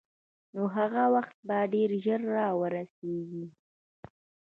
نو هغه وخت به ډېر ژر را ورسېږي.